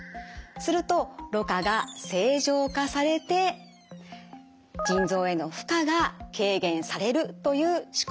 するとろ過が正常化されて腎臓への負荷が軽減されるという仕組みです。